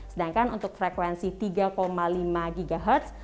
sedangkan untuk frekuensi tiga lima ghz